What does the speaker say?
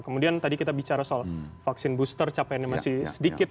kemudian tadi kita bicara soal vaksin booster capaiannya masih sedikit